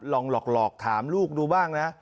ลองหลอกถามลูกดูบ้างนะ